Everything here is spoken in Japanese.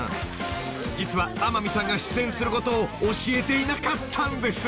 ［実は天海さんが出演することを教えていなかったんです］